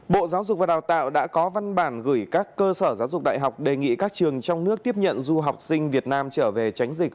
bộ giáo dục và đào tạo đã có văn bản gửi các cơ sở giáo dục đại học đề nghị các trường trong nước tiếp nhận du học sinh việt nam trở về tránh dịch